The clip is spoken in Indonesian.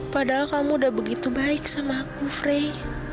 padahal kamu udah begitu baik sama aku frey